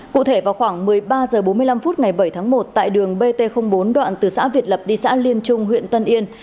cụ thể vào khoảng một mươi ba h bốn mươi năm phút ngày bảy tháng một tại đường bt bốn đoạn từ xã việt lập đi xã liên trung huyện tân yên